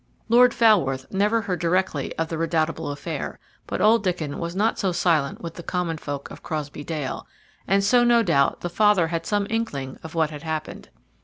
Lord Falworth never heard directly of the redoubtable affair, but old Diccon was not so silent with the common folk of Crosbey Dale, and so no doubt the father had some inkling of what had happened.